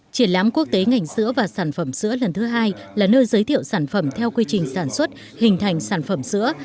triển lãm quốc tế ngành sữa và sản phẩm sữa lần thứ hai là nơi giới thiệu sản phẩm theo quy trình sản xuất hình thành sản phẩm sữa